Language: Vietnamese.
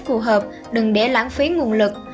phù hợp đừng để lãng phí nguồn lực